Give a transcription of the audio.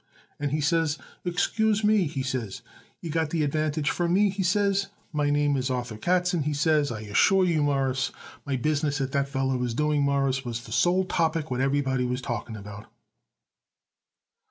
And he says: 'Excuse me,' he says, 'you got the advantage from me,' he says. 'My name is Arthur Katzen,' he says; and I assure you, Mawruss, the business that feller was doing, Mawruss, was the sole topic what everybody was talking about."